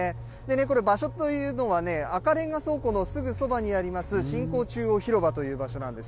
これ、場所というのはね、赤レンガ倉庫のすぐそばにあります、新港中央広場という場所なんです。